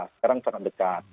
sekarang sangat dekat